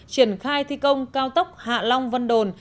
triển khai thi công cao tốc hạ long vân đồn